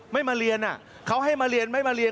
ไม่มาเรียนเขาให้มาเรียนไม่มาเรียน